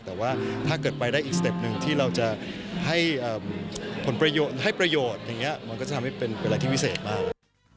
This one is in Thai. แต่ว่าถ้าเกิดไปได้อีกสเต็ปหนึ่งที่เราจะให้ประโยชน์มันก็จะทำให้เป็นอะไรที่วิเศษมาก